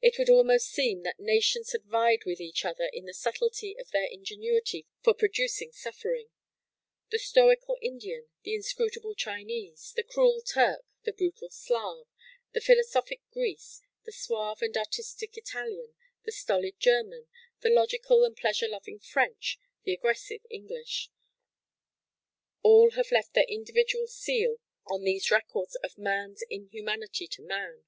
It would almost seem that nations had vied with each other in the subtlety of their ingenuity for producing suffering. The stoical Indian, the inscrutable Chinese, the cruel Turk, the brutal Slav, the philosophic Greek, the suave and artistic Italian, the stolid German, the logical and pleasure loving French, the aggressive English,—all have left their individual seal on these records of "man's inhumanity to man."